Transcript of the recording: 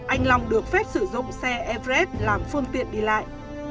anh long được phép sử dụng xe evres làm phương tiện đi lại